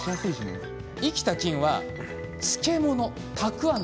生きた菌は漬物たくあんでＯＫ。